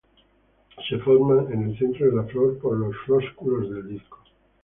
Se forman en el centro de la flor por los flósculos del disco.